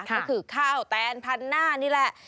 ก็คือข้าวแตนพันหน้านี่แหละ